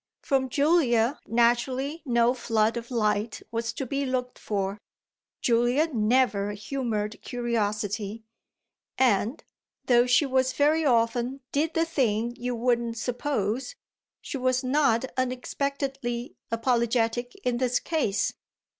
From Julia naturally no flood of light was to be looked for Julia never humoured curiosity and, though she very often did the thing you wouldn't suppose, she was not unexpectedly apologetic in this case.